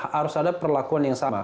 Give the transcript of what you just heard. harus ada perlakuan yang sama